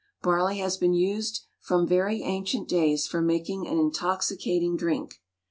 Barley has been used from very ancient days for making an intoxicating drink.